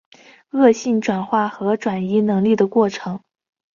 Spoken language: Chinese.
恶性转化和转移能力的过程。